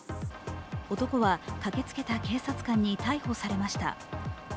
男は駆けつけた警察官に逮捕されました。